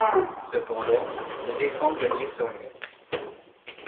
Cependant, l’éléphant gagnait sur lui.